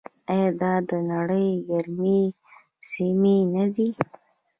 آیا دا د نړۍ ګرمې سیمې نه دي؟